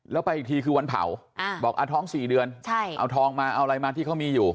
แล้วไปอีกทีคือวันเผาบอกท้อง๔เดือนเอาทองมาเอาอะไรมาที่เขามีอยู่